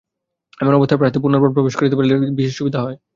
এমন অবস্থায় প্রাসাদে পুনর্বার প্রবেশ করিতে পারিলে তাহার বিশেষ সুবিধা হয়।